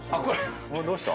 どうした？